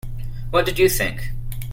What did you think?